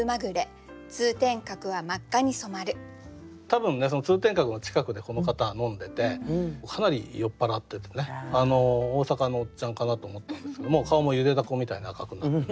多分通天閣の近くでこの方は飲んでてかなり酔っ払っててね大阪のおっちゃんかなと思ったんですけども顔もゆでだこみたいに赤くなって。